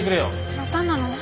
またなの？